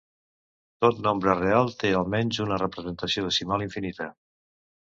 Tot nombre real té almenys una representació decimal infinita.